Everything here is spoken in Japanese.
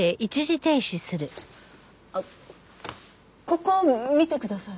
ここ見てください。